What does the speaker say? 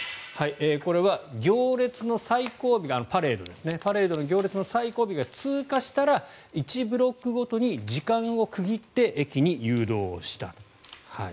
これは行列、パレードの最後尾が通過したら１ブロックごとに時間を区切って駅に誘導したと。